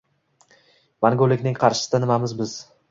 Mangulikning qarshisida nimamiz biz